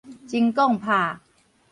舂摃拍